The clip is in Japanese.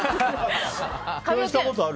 共演したことある？